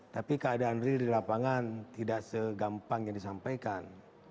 tapi keadaan real di lapangan tidak segampang yang disampaikan